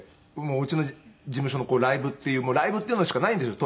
うちの事務所のライブっていうライブっていうのしかないんですよ